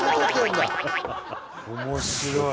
面白い！